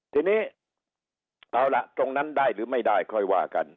ทีนี้เอาล่ะตรงนั้นได้หรือไม่ได้ค่อยว่ากัน